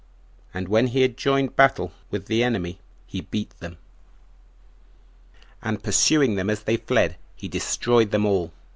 And when he had joined battle with the enemy, he beat them; and pursuing them as they fled, he destroyed them all.